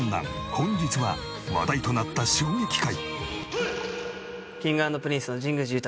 本日は話題となった衝撃回。